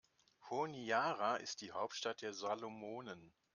Honiara ist die Hauptstadt der Salomonen.